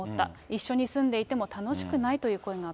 一緒に住んでいても楽しくないという声が。